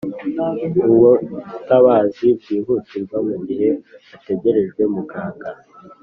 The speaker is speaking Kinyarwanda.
ubutabazi bwihutirwa mu gihe hategerejwe muganga